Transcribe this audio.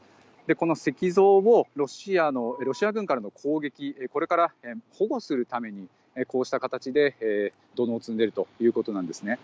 この石像をロシア軍からの攻撃から保護するためにこうした形で土のうを積んでいるということです。